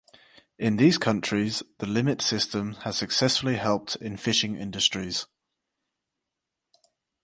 In these countries the limit system has successfully helped in fishing industries.